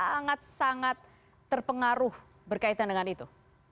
kasus ini sangat sangat terpengaruh berkaitan dengan itu